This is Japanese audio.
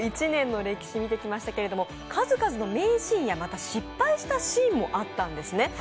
１年の歴史を見てきましたけれども、数々の名シーンや失敗したシーンもあったんですね。